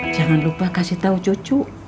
jangan lupa kasih tahu cucu